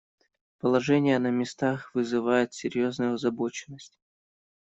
Положение на местах вызывает серьезную озабоченность.